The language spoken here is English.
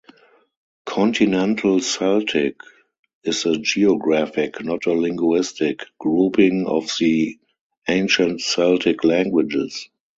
"Continental Celtic" is a geographic, not a linguistic, grouping of the ancient Celtic languages.